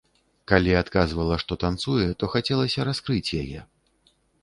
Калі адказвала, што танцуе, то хацелася раскрыць яе.